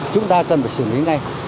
chúng ta cần phải xử lý ngay